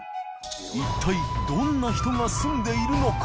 祕貘どんな人が住んでいるのか？